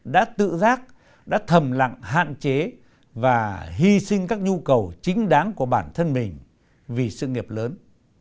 đã tự giác đã thầm lặng hạn chế và hy sinh các nhu cầu chính đáng của bản thân mình vì sự nghiệp lớn